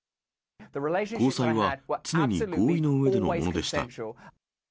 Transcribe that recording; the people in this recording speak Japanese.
交際は常に合意のうえでのものでした。